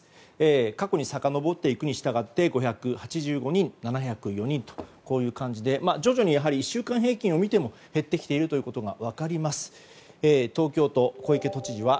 過去にさかのぼっていくに従って５８５人７０４人と、こういう感じで徐々に減ってきていることが分かります。